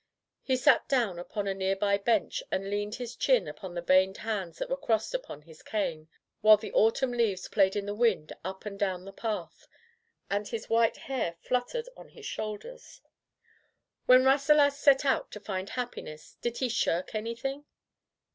He sat down upon a nearby bench and leaned his chin upon the veined hands that were crossed upon his cane, while the au tumn leaves played in the wind up and down the path, and his white hair fluttered on his shoulders. "When Rasselas set out to find happiness — did he shirk anything?"